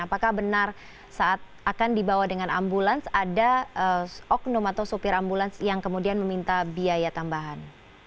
apakah benar saat akan dibawa dengan ambulans ada oknum atau sopir ambulans yang kemudian meminta biaya tambahan